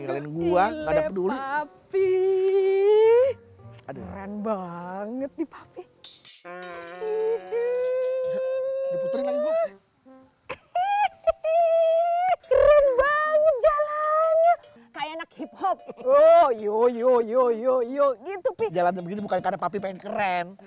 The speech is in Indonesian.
kering banget jalan kayak hiphop yo yo yo yo yo gitu jalan begini bukan karena tapi pengen keren